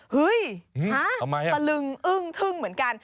เฮ้ยตะลึงอึ้งทึ่งเหมือนกัน